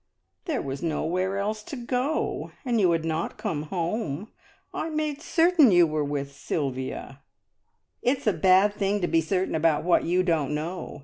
"There was nowhere else to go, and you had not come home. I made certain you were with Sylvia!" "It's a bad thing to be certain about what you don't know.